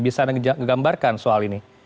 bisa anda gambarkan soal ini